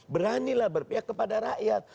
beranilah berpihak kepada rakyat